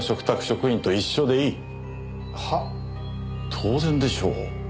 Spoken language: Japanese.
当然でしょう？